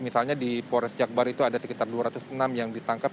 misalnya di polres jakbar itu ada sekitar dua ratus enam yang ditangkap